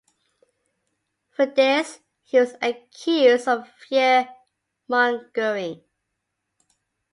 For this, he was accused of fear-mongering.